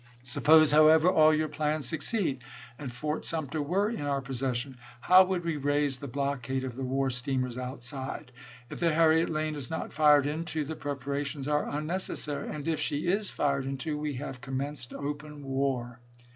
Suppose, however, all your plans succeed, and Fort Sumter were in our possession, how would we raise the blockade of the war steamers outside ? If the Harriet Lane is not fired into the preparations are unnecessary; and if she is fired into we have com menced open war.